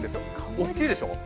大きいでしょう。